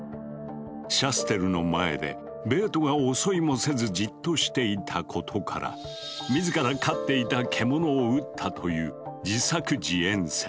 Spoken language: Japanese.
シャステルの前でベートが襲いもせずじっとしていたことから自ら飼っていた獣を撃ったという自作自演説。